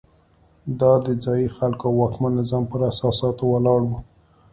دا د ځايي خلکو او واکمن نظام پر اساساتو ولاړ وو.